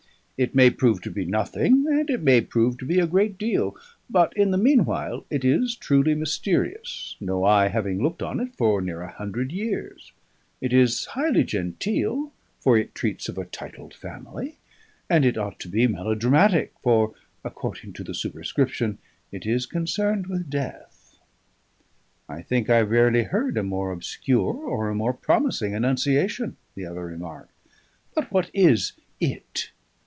It may prove to be nothing, and it may prove to be a great deal. But in the meanwhile it is truly mysterious, no eye having looked on it for near a hundred years; it is highly genteel, for it treats of a titled family; and it ought to be melodramatic, for (according to the superscription) it is concerned with death." "I think I rarely heard a more obscure or a more promising annunciation," the other remarked. "But what is It?"